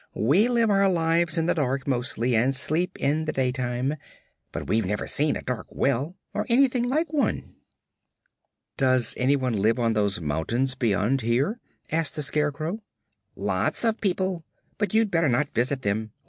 "We live our lives in the dark, mostly, and sleep in the daytime; but we've never seen a dark well, or anything like one." "Does anyone live on those mountains beyond here?" asked the Scarecrow. "Lots of people. But you'd better not visit them.